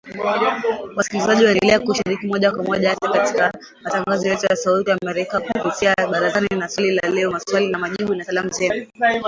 Wasikilizaji waendelea kushiriki moja kwa moja hasa katika matangazo yetu ya Sauti ya Amerika kupitia ‘Barazani’ na ‘Swali la Leo’, 'Maswali na Majibu', na 'Salamu Zenu'